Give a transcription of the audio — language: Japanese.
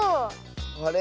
あれ？